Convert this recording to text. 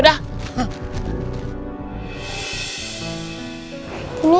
jadi ini ga ada koneksi